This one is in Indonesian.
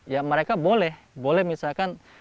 ya mereka boleh boleh misalkan